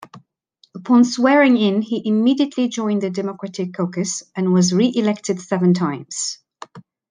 Upon swearing-in, he immediately joined the Democratic caucus, and was reelected seven times.